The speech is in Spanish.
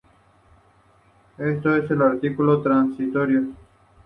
Esto en los artículos transitorios.